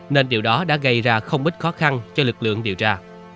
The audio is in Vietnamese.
nên điều đó đã gây ra không ít khó khăn cho lực lượng điều tra